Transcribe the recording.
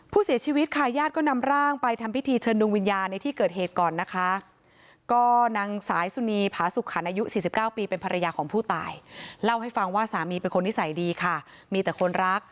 ผู้เสียชีวิตขายญาติก็นำร่างไปทำพิธีเชิญดวิญญาณในที่เกิดเหตุก่อนนะคะ